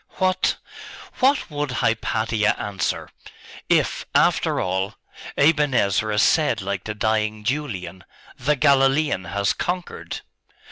'What what would Hypatia answer if, after all, Aben Ezra said like the dying Julian, "The Galilean has conquered"?